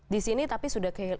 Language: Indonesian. di sini tapi sudah kehilangan